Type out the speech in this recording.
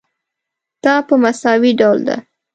دا په مساوي ډول ده.